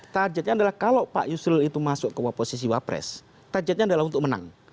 targetnya adalah kalau pak yusril itu masuk ke posisi wapres targetnya adalah untuk menang